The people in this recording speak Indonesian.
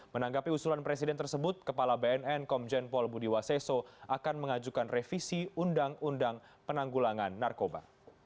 menanggapi usulan presiden tersebut kepala bnn komjen paul budi waseso akan mengajukan revisi undang undang penanggulangan narkoba